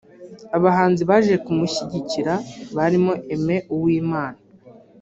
Abahanzi baje kumushyigikira barimo Aime Uwimana